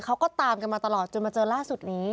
เขาก็ตามกันมาตลอดจนมาเจอล่าสุดนี้